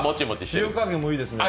塩加減もいいですね。